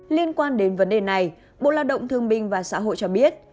liên quan đến vấn đề này bộ lao động thương binh và xã hội cho biết